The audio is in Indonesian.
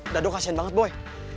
dadok kasihan banget boy